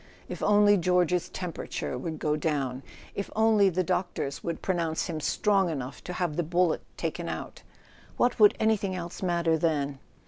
If only George's temperature would go down —if only the doctors would pronounce him strong enough to have the bullet taken out! What would any¬ thing else matter then?